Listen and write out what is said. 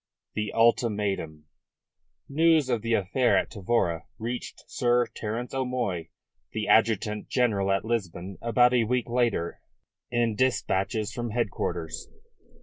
THE ULTIMATUM News of the affair at Tavora reached Sir Terence O'Moy, the Adjutant General at Lisbon, about a week later in dispatches from headquarters.